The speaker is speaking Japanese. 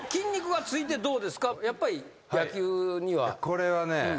これはね